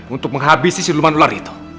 untuk menghabisi siluman ular itu